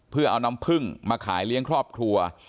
เพื่อเอาน้ำพึ่งมาขายเลี้ยงครอบครัว